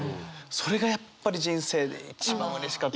それがやっぱり人生で一番うれしかったですね。